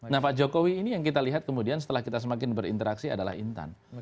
nah pak jokowi ini yang kita lihat kemudian setelah kita semakin berinteraksi adalah intan